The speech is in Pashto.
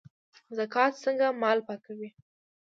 زکات څنګه مال پاکوي؟